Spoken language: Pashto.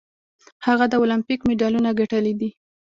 هغه د المپیک مډالونه ګټلي دي.